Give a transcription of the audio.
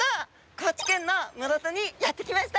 高知県の室戸にやって来ました。